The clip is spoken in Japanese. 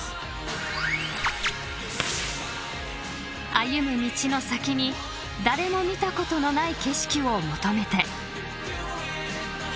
［歩む道の先に誰も見たことのない景色を求めて］